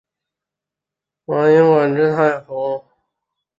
马英官至太仆。